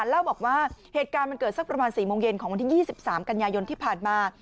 เล่าบอกว่าเหตุการณ์มันเกิดสักประมาณ๔โมงเย็นของวันที่๒๓กันยายนที่ผ่านมา